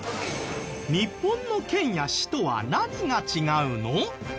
日本の県や市とは何が違うの？